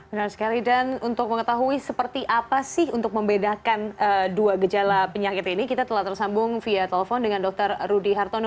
benar sekali dan untuk mengetahui seperti apa sih untuk membedakan dua gejala penyakit ini kita telah tersambung via telepon dengan dr rudy hartono